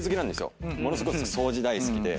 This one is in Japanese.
ものすごく掃除大好きで。